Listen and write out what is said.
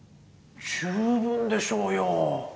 十分でしょうよ。